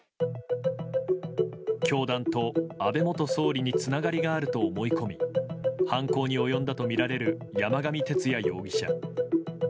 教団と安倍元総理につながりがあると思い込み犯行に及んだとみられる山上徹也容疑者。